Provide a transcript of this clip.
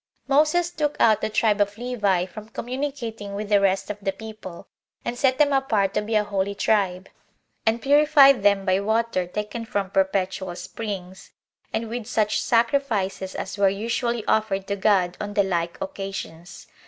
1. Moses took out the tribe of Levi from communicating with the rest of the people, and set them apart to be a holy tribe; and purified them by water taken from perpetual springs, and with such sacrifices as were usually offered to God on the like occasions.